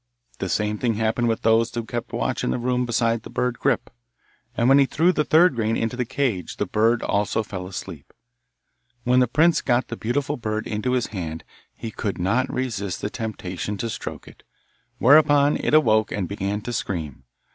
The same thing happened with those who kept watch in the room beside the bird Grip, and when he threw the third grain into its cage the bird also fell asleep. When the prince got the beautiful bird into his hand he could not resist the temptation to stroke it, whereupon it awoke and began to scream.